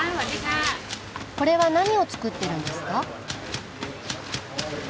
これは何を作ってるんですか？